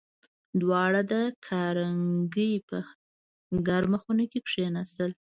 دواړه د کارنګي په ګرمه خونه کې کېناستل